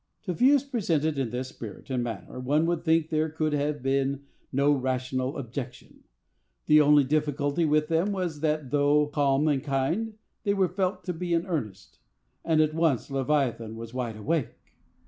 To views presented in this spirit and manner one would think there could have been no rational objection. The only difficulty with them was, that, though calm and kind, they were felt to be in earnest; and at once Leviathan was wide awake.